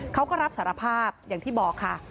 เขาก็รับสารภาพอย่างที่บอกค่ะ